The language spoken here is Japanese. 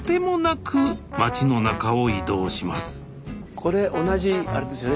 これ同じあれですよね。